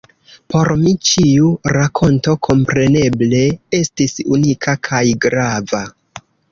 Por mi ĉiu rakonto kompreneble estis unika kaj grava.